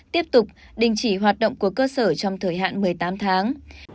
tiếp tục đình chỉ hoạt động của cơ sở trong thời hạn một mươi tám tháng